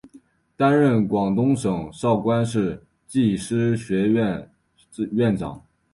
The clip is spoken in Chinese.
担任广东省韶关市技师学院院长。